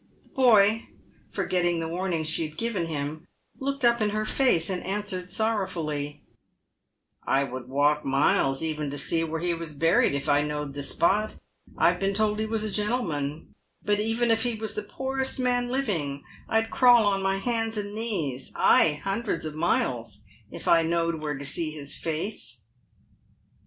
The boy, forgetting the warning she had given him, looked up in her face, and answered sorrowfully, " I would walk miles even to see where he was buried, if I knowed the spot. I have been told he was a gentleman, but even if he was the poorest man living, I'd crawl on my hands and knees — ay, hundreds of miles — if I knowed wbere to see bis face."